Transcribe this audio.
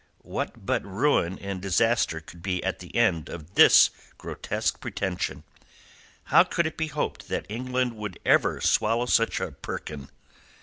What but ruin and disaster could be the end of this grotesque pretension? How could it be hoped that England would ever swallow such a Perkin?